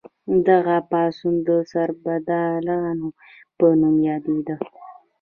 دغه پاڅون د سربدارانو په نوم یادیده.